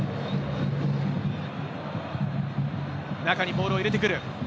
中にボールを入れてくる。